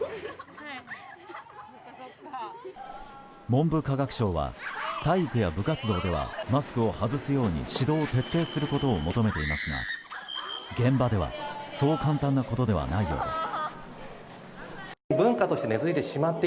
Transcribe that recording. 文部科学省は体育や部活動ではマスクを外すように指導を徹底することを求めていますが現場では、そう簡単なことではないようです。